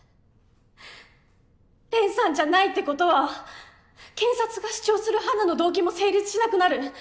蓮さんじゃないってことは検察が主張する花の動機も成立しなくなる。